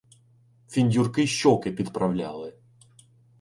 Фіндюрки щоки підправляли.